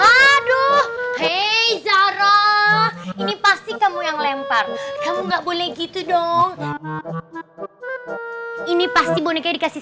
aduh hey zaroh ini pasti kamu yang lempar kamu nggak boleh gitu dong ini pasti boneka dikasih